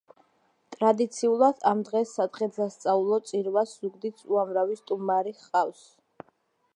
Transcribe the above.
ტრადიციულად, ამ დღეს სადღესასწაულო წირვას ზუგდიდს უამრავი სტუმარი ჰყავს.